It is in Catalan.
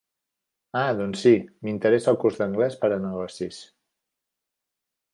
Ah doncs si, m'interessa el curs d'anglès per a negocis.